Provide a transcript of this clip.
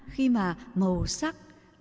khi mà màu sắc